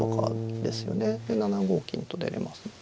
で７五金と出れますので。